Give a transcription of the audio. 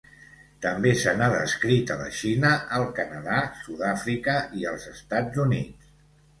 També se n'ha descrit a la Xina, el Canadà, Sud-àfrica i els Estats Units.